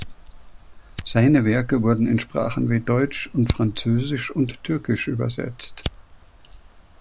Seine Werke wurden in Sprachen wie Deutsch und Französisch und Türkisch übersetzt.